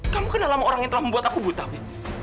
kamu kenal sama orang yang telah membuat aku buta wi